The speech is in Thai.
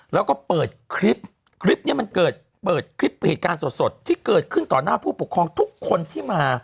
แล้วก็เปิดคลิปคลิปนี้มันเกิดเปิดคลิปเหตุการณ์สดที่เกิดขึ้นต่อหน้าผู้ปกครองทุกคนที่มา